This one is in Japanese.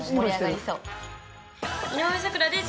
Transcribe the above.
井上咲楽です。